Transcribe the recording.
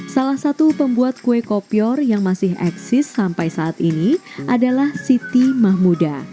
salah satu pembuat kue kopior yang masih eksis sampai saat ini adalah siti mahmuda